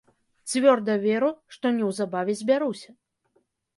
Цвёрда веру, што неўзабаве збяруся.